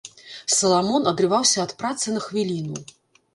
Саламон адрываўся ад працы на хвіліну.